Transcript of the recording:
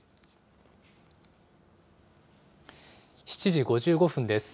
７時５５分です。